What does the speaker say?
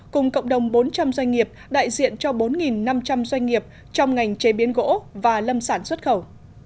cùng cộng đồng bốn trăm linh doanh nghiệp đại diện cho bốn năm trăm linh doanh nghiệp trong ngành chế biến gỗ và lâm sản xuất khẩu